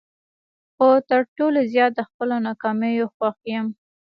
خو تر ټولو زیات د خپلو ناکامیو خوښ یم.